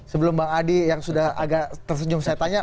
sebelum bang adi yang sudah agak tersenyum saya tanya